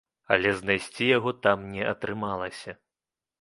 Але знайсці яго там не атрымалася.